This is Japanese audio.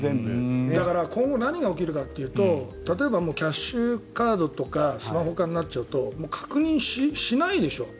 今後何が起きるかというと例えばキャッシュカードとかスマホ化になっちゃうと確認しないでしょ。